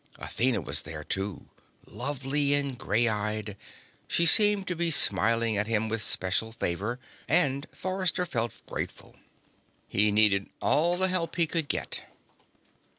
Athena was there, too, lovely and gray eyed. She seemed to be smiling at him with special favor, and Forrester felt grateful. He needed all the help he could get.